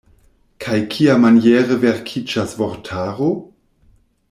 Kaj kiamaniere verkiĝas vortaro?